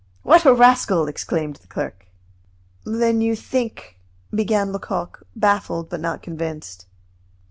"What a rascal!" exclaimed the clerk. "Then you think " began Lecoq, baffled but not convinced.